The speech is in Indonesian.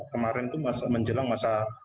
kemarin itu menjelang masa